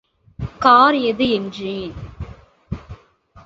Car ஏது என்றேன்.